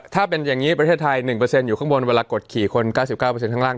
ถ้าเป็นอย่างนี้ประเทศไทย๑อยู่ข้างบนเวลากดขี่คน๙๙ข้างล่าง